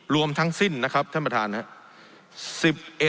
รวมทั้งสิ้นนะครับท่านประธานครับ